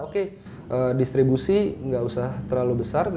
oke distribusi nggak usah terlalu besar